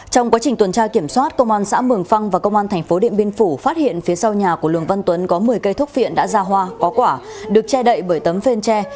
trong quá trình tuần tra kiểm soát công an xã mường phăng và công an tp điện biên phủ phát hiện phía sau nhà của lường văn tuấn có một mươi cây thuốc phiện đã ra hoa có quả được che đậy bởi tấm phên tre